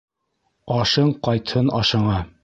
Ашың ҡайтһын ашыңа